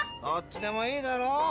どっちでもいいだろ。